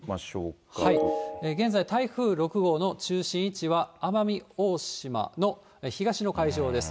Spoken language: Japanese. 現在、台風６号の中心位置は、奄美大島の東の海上です。